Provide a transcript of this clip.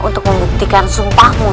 untuk membuktikan sumpahmu